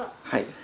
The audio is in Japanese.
はい。